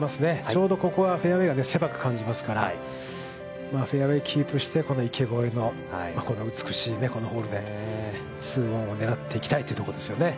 ちょうどここはフェアウェイが狭く感じますから、フェアウェイをキープして、この池越えのこの美しいこのホールでツーオンを狙っていきたいところですね。